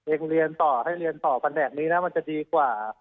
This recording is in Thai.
เองเรียนต่อให้เรียนต่อกันแบบนี้นะมันจะดีกว่า